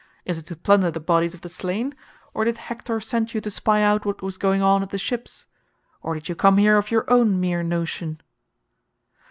Is it to plunder the bodies of the slain, or did Hector send you to spy out what was going on at the ships? Or did you come here of your own mere notion?"